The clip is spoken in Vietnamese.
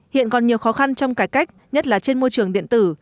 hiện còn nhiều khó khăn trong cải cách nhất là trên môi trường điện tử